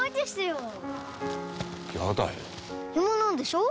暇なんでしょ？